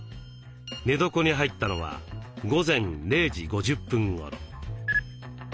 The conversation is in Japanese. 寝床に入ったのは午前０時５０分ごろ。